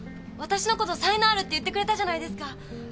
わたしのこと才能あるって言ってくれたじゃないですか。